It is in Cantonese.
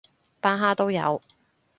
巴哈都有